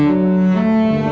aku masih di dunia